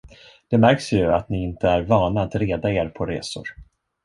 Det märks ju, att ni inte är vana att reda er på resor.